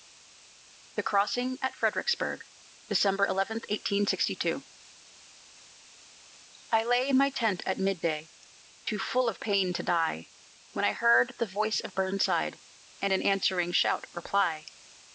THE CROSSING AT FREDERICKSBURG [December 11, 1862] I lay in my tent at mid day, Too full of pain to die, When I heard the voice of Burnside, And an answering shout reply.